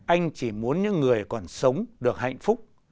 anh chỉ muốn những người còn sống được hạnh phúc